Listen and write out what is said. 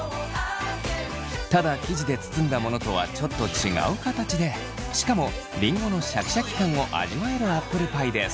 ただ生地で包んだものとはちょっと違う形でしかもりんごのシャキシャキ感を味わえるアップルパイです。